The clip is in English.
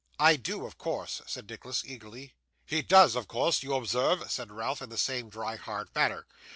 'I do, of course,' said Nicholas, eagerly. 'He does, of course, you observe,' said Ralph, in the same dry, hard manner.